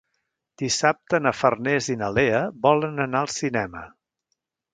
Dissabte na Farners i na Lea volen anar al cinema.